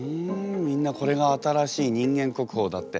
みんなこれが新しい人間国宝だって。